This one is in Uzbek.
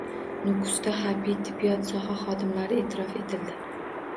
Nukusda harbiy tibbiyot soha xodimlari e’tirof etildi